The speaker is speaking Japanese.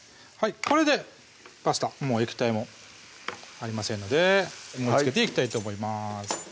これでパスタ液体もありませんので盛りつけていきたいと思います